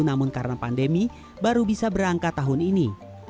namun karena pandemi baru bisa berangkat tahun ini